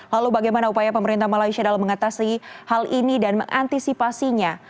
lalu bagaimana upaya pemerintah malaysia dalam mengatasi hal ini dan mengantisipasinya